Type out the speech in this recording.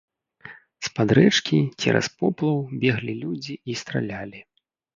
З-пад рэчкі, цераз поплаў, беглі людзі і стралялі.